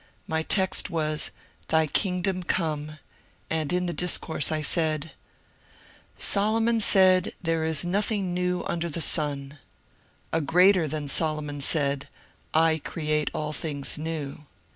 My text was, ^* Thy kingdom come,*' and in the discourse I said :— Solomon said, ^^ There is nothing new under the sun ;" a greater than Solomon said, ^^ I create all things new."